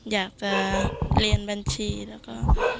อยากจะเรียนบัญชีแล้วก็